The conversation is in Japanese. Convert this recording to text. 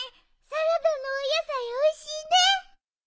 サラダのおやさいおいしいね！